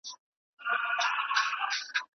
¬ په سلو وهلی ښه دئ، نه په يوه پړ.